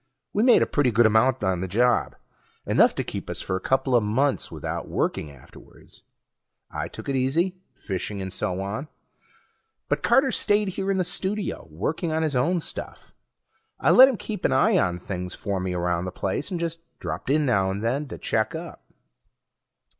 We made a pretty good amount on the job, enough to keep us for a coupla months without working afterwards. I took it easy, fishing and so on, but Carter stayed here in the studio working on his own stuff. I let him keep an eye on things for me around the place, and just dropped in now and then to check up.